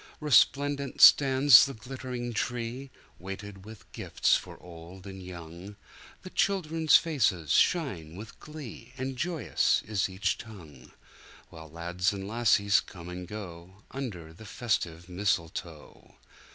Resplendent stands the glitt'ring tree, Weighted with gifts for old and young, The children's faces shine with glee, And joyous is each tongue, While lads and lassies come and goUnder the festive mistletoe.